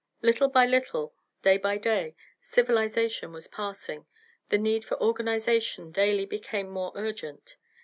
Little by little, day by day, civilization was passing, the need for organization daily became more urgent.